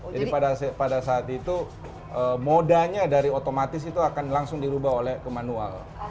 jadi pada saat itu modanya dari otomatis itu akan langsung dirubah oleh ke manual